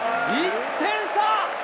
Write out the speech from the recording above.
１点差。